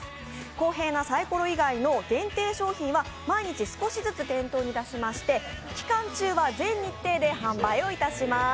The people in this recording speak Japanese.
公平なサイコロ以外の限定商品は毎日少しずつ店頭に出しまして、期間中は全日程で販売いたします。